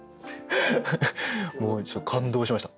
もうちょっと感動しました。